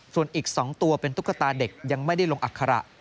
ส่วนอีก๒ตัวเป็นตุ๊กตาเด็กยังไม่ได้ลงอัคระ